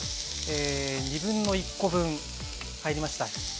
1/2コ分入りました。